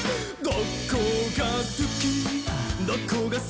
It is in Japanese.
どこがすき？」